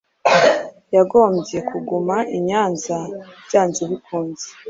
yagombye kuguma i Nyanza, byanze bikunze.